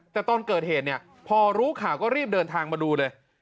แต่ตอนเกิดเหตุเนี่ยพอรู้ข่าวก็รีบเดินทางมาดูเลย